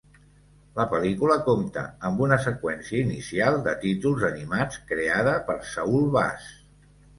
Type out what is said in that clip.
La pel·lícula compta amb una seqüència inicial de títols animats creada per Saul Bass.